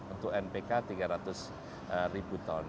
untuk npk tiga ratus ribu ton